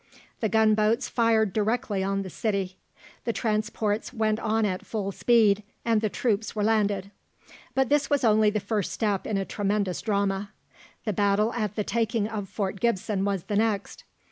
The gunboats fired directly on the city; the transports went on at full speed, and the troops were landed. But this was only the first step in a tremendous drama. The battle at the taking of Fort Gibson was the next.